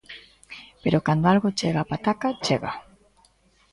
Pero cando algo chega á pataca, chega.